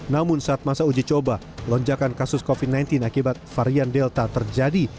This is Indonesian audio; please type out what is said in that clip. namun saat masa uji coba lonjakan kasus covid sembilan belas akibat varian delta terjadi